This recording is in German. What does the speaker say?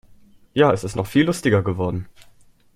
Ja, es ist noch viel lustiger geworden.